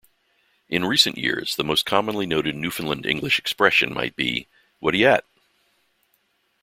In recent years, the most commonly noted Newfoundland English expression might be Whadd'ya at?